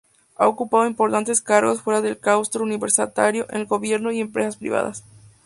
Ha ocupado importantes cargos fuera del claustro universitario, en el gobierno y empresas privadas.